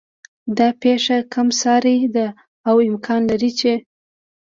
دا پېښه کم سارې ده او امکان لري چې